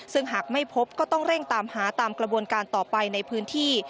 ซึ่งหากไม่พบก็ต้องเร่งตามหาตามกระบวนการต่อไปในพื้นที่